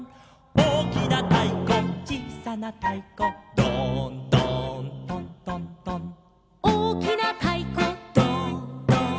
「おおきなたいこちいさなたいこ」「ドーンドーントントントン」「おおきなたいこドーンドーン」